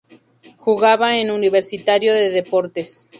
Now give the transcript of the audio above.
Jugaba en Universitario de Deportes.